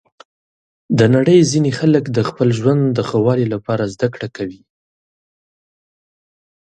د نړۍ ځینې خلک د خپل ژوند د ښه والي لپاره زده کړه کوي.